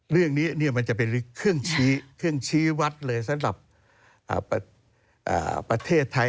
เรื่องนี้มันจะเป็นเครื่องชี้วัดเลยสำหรับประเทศไทย